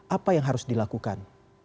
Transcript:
apa yang harus dilakukan